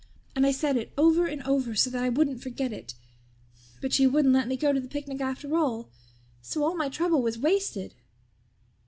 And I said it over and over so that I wouldn't forget it. But you wouldn't let me go to the picnic after all, so all my trouble was wasted."